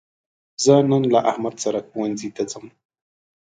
زه نن له احمد سره ښوونځي ته ځم.